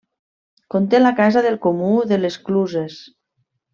Conté la Casa del Comú de les Cluses.